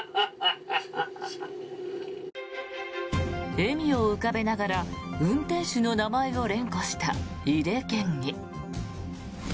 笑みを浮かべながら運転手の名前を連呼した井手県議。